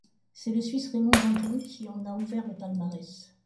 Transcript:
C’est le suisse Raymond Genton qui en a ouvert le palmarès.